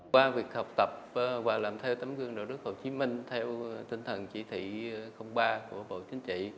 qua việc học tập và làm theo tấm gương đạo đức hồ chí minh theo tinh thần chỉ thị ba của bộ chính trị